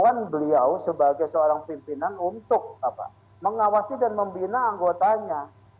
kan beliau sebagai seorang pimpinan untuk mengawasi dan membina anggotanya